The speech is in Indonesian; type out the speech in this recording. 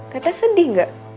teteh sedih gak